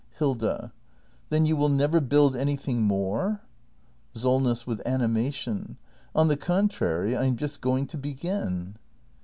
Hilda. Then you will never build anything more? Solness. [With animation.] On the contrary, I am just going to begin!